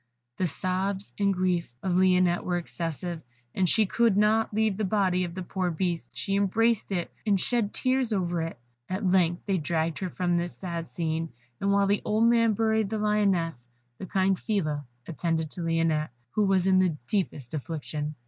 The sobs and grief of Lionette were excessive, she could not leave the body of the poor beast, she embraced it, and shed tears over it. At length they dragged her from this sad scene, and while the old man buried the Lioness, the kind Phila attended to Lionette, who was in the deepest affliction.